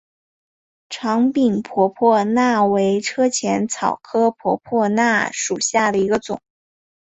长柄婆婆纳为车前草科婆婆纳属下的一个种。